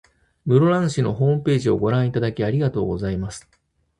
室蘭市のホームページをご覧いただき、ありがとうございます。